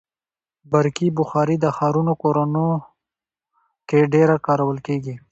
برقي بخاري د ښارونو کورونو کې ډېره کارول کېږي.